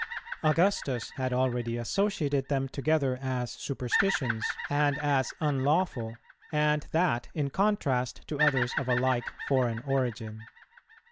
"[216:1] Augustus had already associated them together as superstitions, and as unlawful, and that in contrast to others of a like foreign origin.